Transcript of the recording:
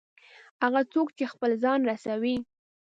هغه څوک چې خپل ځان رسوي.